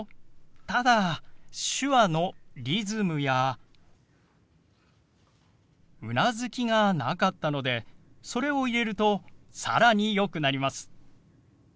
ただ手話のリズムやうなずきがなかったのでそれを入れると更によくなります。